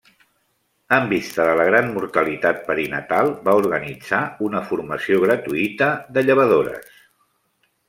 En vista de la gran mortalitat perinatal, va organitzar una formació gratuïta de llevadores.